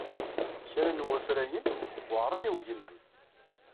Kra n wafrayen weɛṛen i weglam.